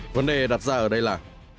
vấn đề đặt ra ở đây là